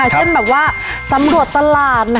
เช่นตัวซ้ำรวจตลาด